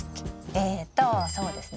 えとそうですね